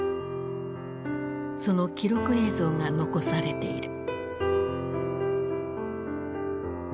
その記録映像が残されている。